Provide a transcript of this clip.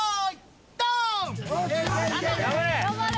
頑張れ！